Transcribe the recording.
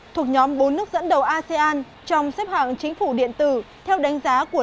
thuộc nhóm bốn nước dẫn đầu asean